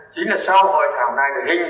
chính là sau hội thảo này hình thành một kế hoạch